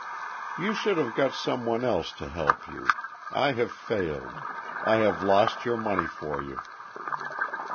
"You should have got some one else to help you. I have failed.... I have lost your money for you!"